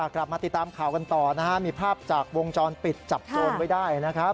กลับมาติดตามข่าวกันต่อนะฮะมีภาพจากวงจรปิดจับโจรไว้ได้นะครับ